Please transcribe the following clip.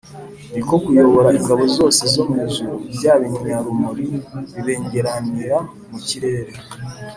ni ko kuyobora ingabo zose zo mu ijuru, bya binyarumuri bibengeranira mu kirere.